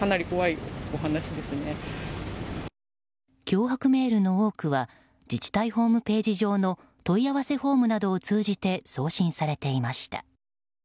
脅迫メールの多くは自治体ホームページ上の問い合わせフォームなどを通じて送信されていました。